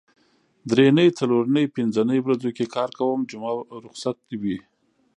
درېنۍ څلورنۍ پینځنۍ ورځو کې کار کوم جمعه روخصت وي